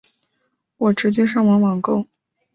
我直接上网网购